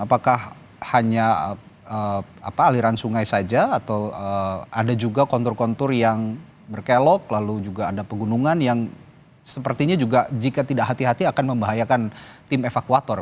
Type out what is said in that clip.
apakah hanya aliran sungai saja atau ada juga kontur kontur yang berkelok lalu juga ada pegunungan yang sepertinya juga jika tidak hati hati akan membahayakan tim evakuator